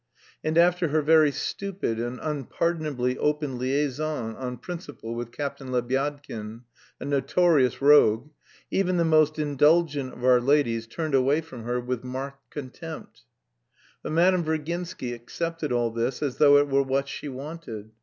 And after her very stupid and unpardonably open liaison on principle with Captain Lebyadkin, a notorious rogue, even the most indulgent of our ladies turned away from her with marked contempt. But Madame Virginsky accepted all this as though it were what she wanted.